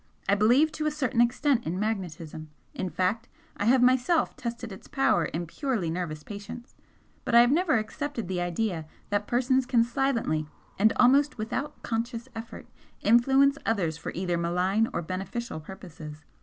"I believe to a certain extent in magnetism in fact, I have myself tested its power in purely nervous patients, but I have never accepted the idea that persons can silently and almost without conscious effort, influence others for either malign or beneficial purposes.